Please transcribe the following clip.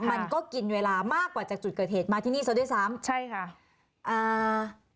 มันก็กินเวลามากกว่าจากจุดเกิดเหตุมาที่นี่ซะด้วยซ้ำใช่ค่ะอ่า